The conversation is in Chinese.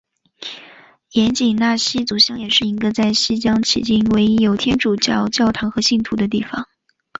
盐井纳西族乡也是一个在西藏迄今唯一有天主教教堂和信徒的地方。